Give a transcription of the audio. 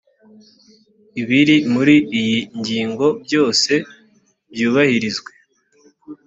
ibiri muru iyi ngingo byose byubahirizwe